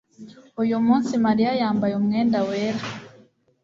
Uyu munsi Mariya yambaye umwenda wera